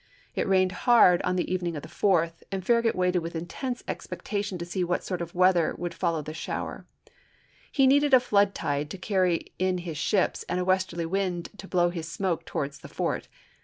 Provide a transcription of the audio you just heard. It rained hard on the evening of the 4th, and Farragut waited MOBILE BAY 231 with intense expectation to see what sort of weather would follow the shower. He needed a flood tide to carry in his ships and a westerly wind to blow his smoke towards the fort.